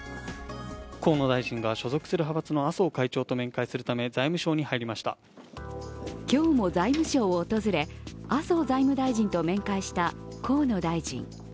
河野大臣が所属する派閥の麻生会長と面会するため、財務省に入りました今日も財務省を訪れ、麻生財務大臣と面会した河野大臣。